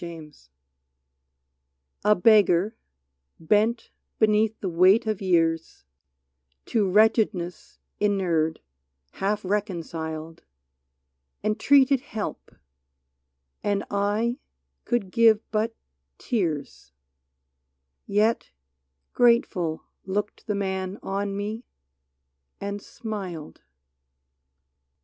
74 ALMS A BEGGAR, bent beneath the weight of years, — To wretchedness inured, half reconciled, — Entreated help, and I could give but tears ; Yet grateful looked the man on me, and smiled.